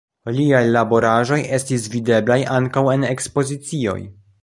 Liaj laboraĵoj estis videblaj ankaŭ en ekspozicioj.